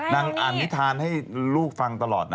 นางอาหารวิทธาณภ์ให้ลูกฟังตลอดนะ